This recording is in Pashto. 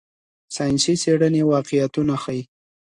ساینسي څېړنې واقعیتونه ښيي.